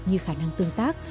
như khả năng tương tác